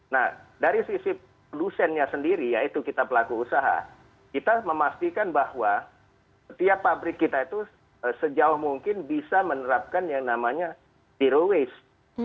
nah dari sisi produsennya sendiri yaitu kita pelaku usaha kita memastikan bahwa setiap pabrik kita itu sejauh mungkin bisa menerapkan yang namanya zero waste